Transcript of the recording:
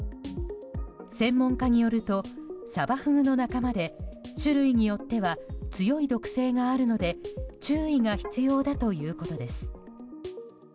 専門家によるとサバフグの仲間で種類によっては強い毒性があるので注意が必要だということです。